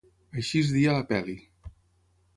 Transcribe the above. Així es deia la pel·li.